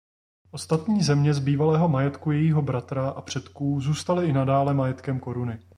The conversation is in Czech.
Ostatní země z bývalého majetku jejího bratra a předků zůstaly i nadále majetkem koruny.